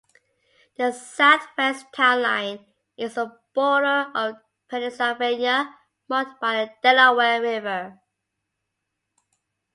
The southwest town line is the border of Pennsylvania, marked by the Delaware River.